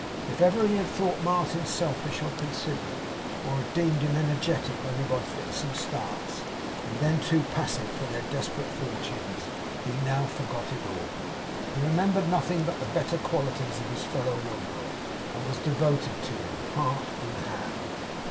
If ever he had thought Martin selfish or inconsiderate, or had deemed him energetic only by fits and starts, and then too passive for their desperate fortunes, he now forgot it all. He remembered nothing but the better qualities of his fellow wanderer, and was devoted to him, heart and hand.